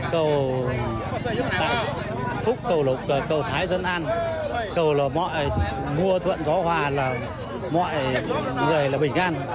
cầu thái dẫn an cầu là mọi người mua thuận gió hoa là mọi người là bình an